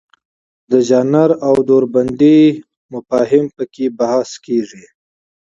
د ژانر او دوربندۍ مفاهیم پکې بحث کیږي.